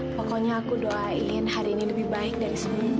pokoknya aku doain hari ini lebih baik dari seminggu